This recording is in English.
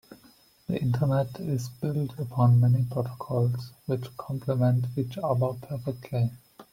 The internet is built upon many protocols which compliment each other perfectly.